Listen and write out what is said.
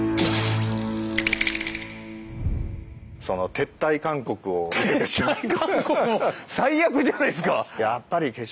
撤退勧告最悪じゃないですか。